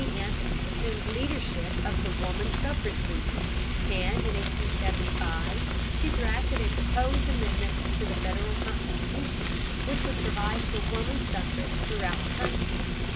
Anthony assumed leadership of the woman suffrage movement, and in 1875 she drafted a proposed amendment to the Federal Constitution which would provide for woman suffrage throughout the country.